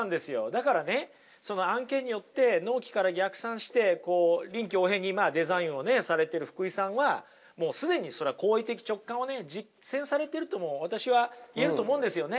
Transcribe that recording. だからねその案件によって納期から逆算してこう臨機応変にデザインをねされてる福井さんはもう既にそれは行為的直観をね実践されてるとも私は言えると思うんですよね。